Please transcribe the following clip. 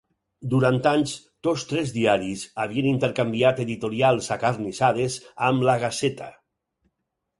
Durant anys, tots tres diaris havien intercanviat editorials acarnissades amb la "Gaceta".